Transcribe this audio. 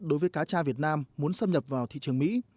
đối với cacha việt nam muốn xâm nhập vào thị trường mỹ